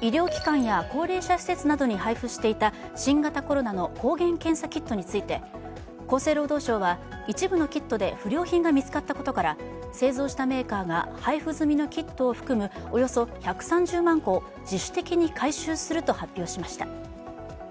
医療機関や高齢者施設などに配布していた新型コロナの抗原検査キットについて、厚生労働省は一部のキットで不良品が見つかったことから製造したメーカーが配布済みのキットを含むおよそ１３０万個を自主的に回収すると発表しました。